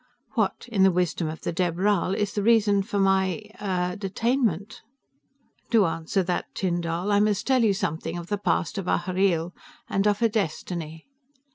"What, in the wisdom of the Dheb Rhal, is the reason for my er detainment?" "To answer that, Tyn Dall, I must tell you something of the past of Ahhreel, and of her destiny."